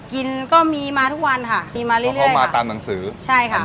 กินก็มีมาทุกวันค่ะมีมาเรื่อยก็มาตามหนังสือใช่ค่ะ